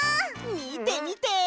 みてみて！